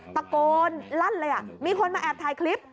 ตะโกนลั่นเลยมีคนมาแอบถ่ายคลิป